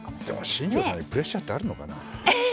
でも新庄さんにプレッシャーってあるのかな？